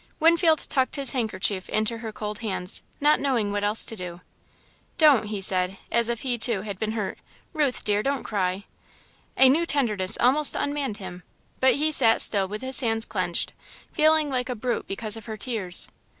Winfield tucked his handkerchief into her cold hands, not knowing what else to do. "Don't!" he said, as if he, too, had been hurt. "Ruth, dear, don't cry!" A new tenderness almost unmanned him, but he sat still with his hands clenched, feeling like a brute because of her tears.